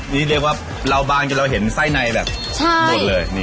นี่เรียกว่าเราบางจนเราเห็นไส้ในแบบหมดเลย